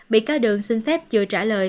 bị cáo đường xin phép chưa trả lời